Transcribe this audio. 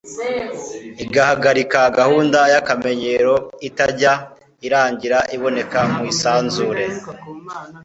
igahagarika gahunda y’akamenyero itajya irangira iboneka mu isanzure.